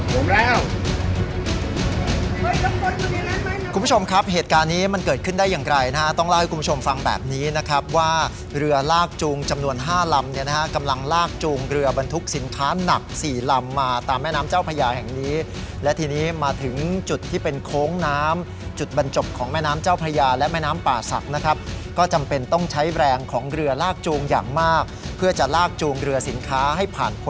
คุณผู้ชมครับเหตุการณ์นี้มันเกิดขึ้นได้อย่างไกลนะฮะต้องเล่าให้คุณผู้ชมฟังแบบนี้นะครับว่าเรือลากจูงจำนวนห้าลำเนี้ยนะฮะกำลังลากจูงเรือบรรทุกสินค้านักสี่ลำมาตามแม่น้ำเจ้าภรรยาแห่งนี้และทีนี้มาถึงจุดที่เป็นโค้งน้ำจุดบรรจบของแม่น้ำเจ้าภรรยาและ